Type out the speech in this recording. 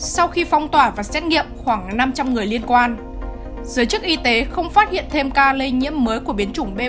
sau khi phong tỏa và xét nghiệm khoảng năm trăm linh người liên quan giới chức y tế không phát hiện thêm ca lây nhiễm mới của biến chủng b một nghìn sáu trăm bốn mươi